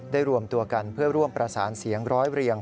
รวมตัวกันเพื่อร่วมประสานเสียงร้อยเรียง